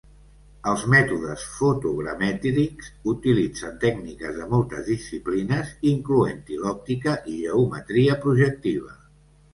Els mètodes fotogramètrics utilitzen tècniques de moltes disciplines incloent-hi l'òptica i geometria projectiva.